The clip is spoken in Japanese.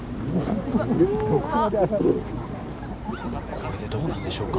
これでどうなんでしょうか。